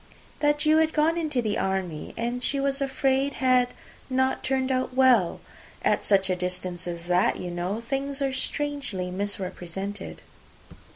"That you were gone into the army, and she was afraid had not turned out well. At such a distance as that, you know, things are strangely misrepresented."